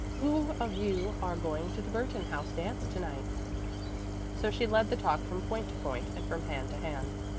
Who of you are going to the Burton House dance to night?" So she led the talk from point to point and from hand to hand.